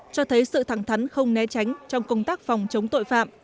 cho thấy sự thẳng thắn không né tránh trong công tác phòng chống tội phạm